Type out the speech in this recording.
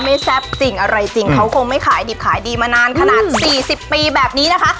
แซ่บจริงอะไรจริงเขาคงไม่ขายดิบขายดีมานานขนาด๔๐ปีแบบนี้นะคะ